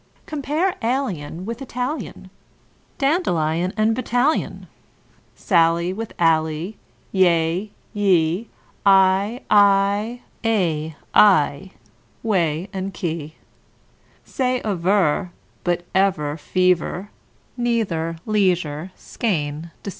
Compare alien with Italian, Dandelion with battalion, Sally with ally; yea, ye, Eye, I, ay, aye, whey, key, quay! Say aver, but ever, fever, Neither, leisure, skein, receiver.